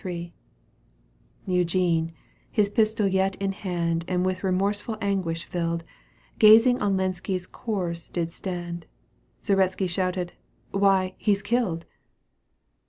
XXXIII. Eugene, his pistol yet in hand And with remorseful anguish filled, Gazing on Lenski's corse did stand — Zaretski shouted :" Why, he's kiUed